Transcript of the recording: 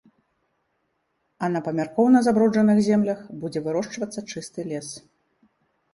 А на памяркоўна забруджаных землях будзе вырошчвацца чысты лес.